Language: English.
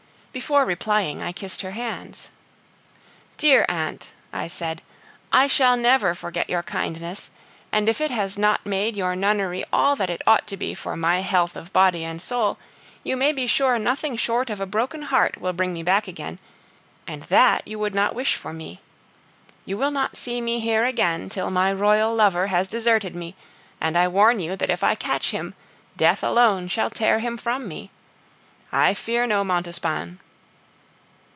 Before replying, I kissed her hands. "Dear aunt," I said, "I shall never forget your kindness; and if it has not made your nunnery all that it ought to be for my health of body and soul, you may be sure nothing short of a broken heart will bring me back again and that you would not wish for me. You will not see me here again till my royal lover has deserted me, and I warn you that if I catch him, death alone shall tear him from me. I fear no Montespan."